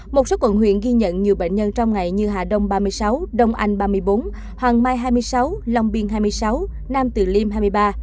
một số quận huyện ghi nhận nhiều bệnh nhân trong ngày như hà đông ba mươi sáu đông anh ba mươi bốn hoàng mai hai mươi sáu long biên hai mươi sáu nam từ liêm hai mươi ba